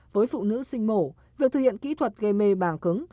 với phụ nữ sinh mổ việc thực hiện kỹ thuật gây mê bàng cứng